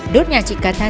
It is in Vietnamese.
đốt nhà chị cà tha